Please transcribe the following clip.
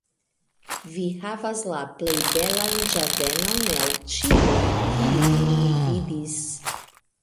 "Vi havas la plej belan ĝardenon el ĉiuj, kiujn mi vidis!"